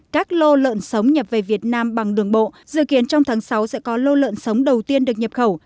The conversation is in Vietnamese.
các lô lợn sống nhập về việt nam bằng đường bộ dự kiến trong tháng sáu sẽ có lô lợn sống đầu tiên được nhập khẩu